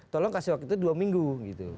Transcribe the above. tolong kasih waktu itu dua minggu gitu